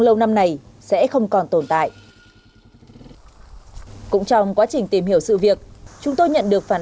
lâu năm này sẽ không còn tồn tại cũng trong quá trình tìm hiểu sự việc chúng tôi nhận được phản